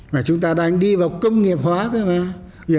mà chúng ta đang đi vào công nghiệp hóa cơ